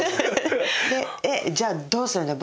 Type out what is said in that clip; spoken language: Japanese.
「えっじゃあどうするのよ？」